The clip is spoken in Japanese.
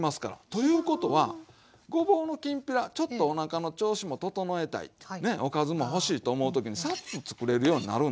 ということはごぼうのきんぴらちょっとおなかの調子も整えたいねおかずも欲しいと思う時にさっとつくれるようになるんですわ。